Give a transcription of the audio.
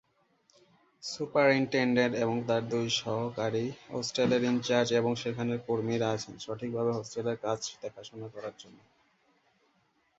Superintendent এবং তার দুই সহকারী হোস্টেলের ইনচার্জ এবং সেখানে কর্মীরা আছেন সঠিকভাবে হোস্টেলের কাজ দেখাশোনা করার জন্য।